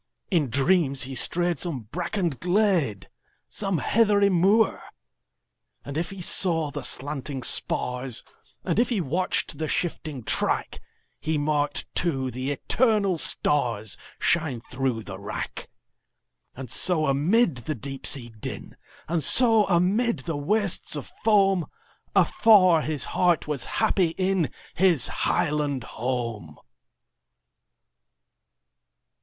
In dreams he strayed some brackened glade, Some heathery moor. And if he saw the slanting spars, And if he watched the shifting track, He marked, too, the eternal starsShine through the wrack. And so amid the deep sea din, And so amid the wastes of foam, Afar his heart was happy inHis highland home!